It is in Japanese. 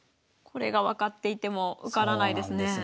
これが分かっていても受からないですね。